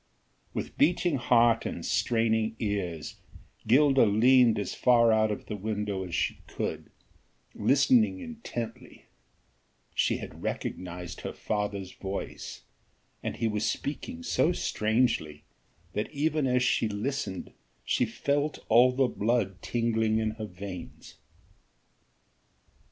With beating heart and straining ears Gilda leaned as far out of the window as she could, listening intently: she had recognized her father's voice, and he was speaking so strangely that even as she listened she felt all the blood tingling in her veins.